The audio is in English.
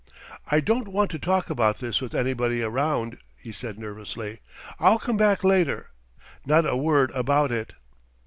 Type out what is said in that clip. "I don't want to talk about this with anybody around," he said nervously. "I'll come back later. Not a word about it!"